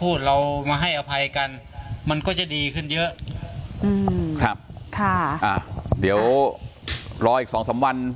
พูดเรามาให้อภัยกันมันก็จะดีขึ้นเยอะเดี๋ยวรออีก๒๓วัน